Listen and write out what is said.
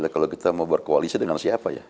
kalau kita mau berkoalisi dengan siapa ya